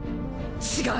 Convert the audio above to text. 違う！